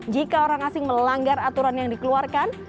jika orang asing melanggar aturan yang dikeluarkan